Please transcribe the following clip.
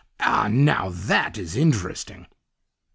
Ah! now THAT is interesting!